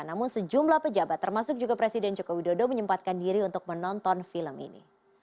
namun sejumlah pejabat termasuk juga presiden joko widodo menyempatkan diri untuk menonton film ini